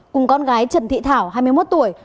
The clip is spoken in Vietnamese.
cùng con gái trần thị thảo hai mươi một tuổi